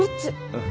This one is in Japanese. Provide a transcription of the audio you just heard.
うん。